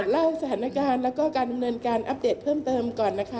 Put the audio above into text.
เล่าสถานการณ์แล้วก็การดำเนินการอัปเดตเพิ่มเติมก่อนนะคะ